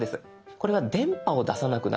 これは電波を出さなくなるんです。